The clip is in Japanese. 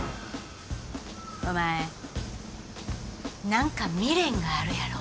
お前何か未練があるやろ？